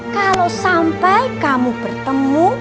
kalau sampai kamu bertemu